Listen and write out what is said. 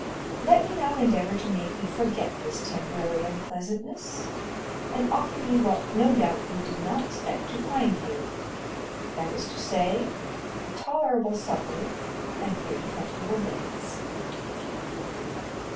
Let me now endeavor to make you forget this temporary unpleasantness, and offer you what no doubt you did not expect to find here—that is to say, a tolerable supper and pretty comfortable beds."